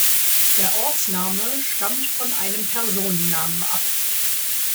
Der Ortsname stammt von einem Personennamen ab.